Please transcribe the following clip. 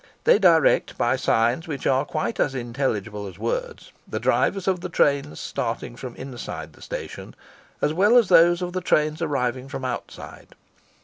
They direct by signs, which are quite as intelligible as words, the drivers of the trains starting from inside the station, as well as those of the trains arriving from outside.